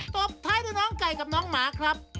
ตบท้ายด้วยน้องไก่กับน้องหมาครับ